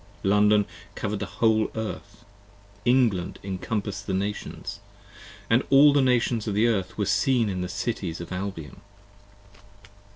London cover'd the whole Earth, England encompass'd the Nations, And all the Nations of the Earth were seen in the Cities of Albion.